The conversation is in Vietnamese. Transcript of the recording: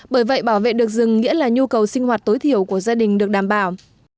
bởi vậy bảo vệ được rừng nghĩa là nhu cầu sinh hoạt tối thiểu của gia đình được đảm bảo